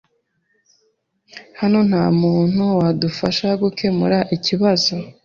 Hano nta muntu wadufasha gukemura ikibazo.